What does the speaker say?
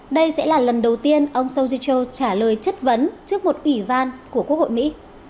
đây sẽ là lần đầu tiên ông soujicho trả lời chất vấn trước một ủy ban của quốc hội mỹ